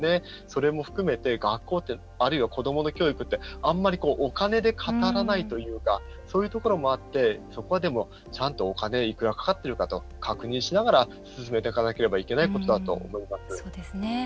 それも含めて学校ってあるいは子どもの教育ってあんまりお金で語らないというかそういうところもあってそこは、でもちゃんとお金いくらかかってるかとか確認しながら進めていかなければいけないことだと思います。